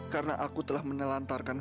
karena aku telah menelantarkan